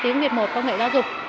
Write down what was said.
theo tiếng việt một công nghệ giáo dục